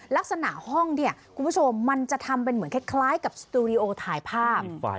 ลักษณะห้องเนี่ยคุณผู้ชมมันจะทำเป็นเหมือนคล้ายกับสตูดิโอถ่ายภาพ